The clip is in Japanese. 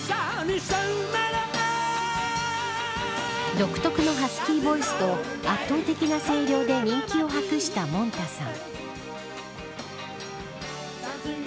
独特のハスキーボイスと圧倒的な声量で人気を博したもんたさん。